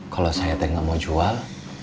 kalau saya tidak mau jual